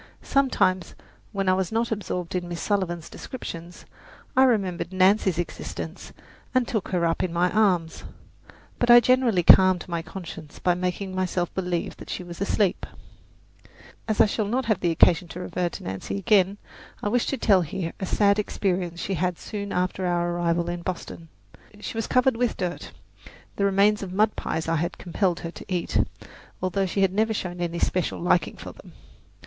Sometimes, when I was not absorbed in Miss Sullivan's descriptions, I remembered Nancy's existence and took her up in my arms, but I generally calmed my conscience by making myself believe that she was asleep. As I shall not have occasion to refer to Nancy again, I wish to tell here a sad experience she had soon after our arrival in Boston. She was covered with dirt the remains of mud pies I had compelled her to eat, although she had never shown any special liking for them.